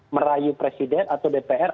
merayu presiden atau dpr